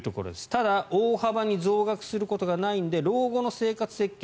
ただ、大幅に増額することがないので老後の生活設計